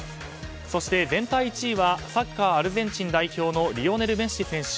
そして全体１位はサッカーアルゼンチン代表のリオネル・メッシ選手。